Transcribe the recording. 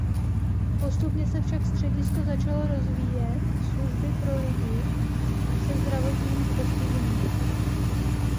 Postupně se však středisko začalo rozvíjet služby pro lidi se zdravotním postižením.